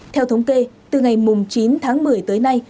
theo thống kê từ ngày chín tháng một mươi tới nay